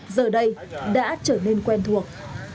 giờ đây đã trở nên quen thuộc